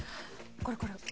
これこれ。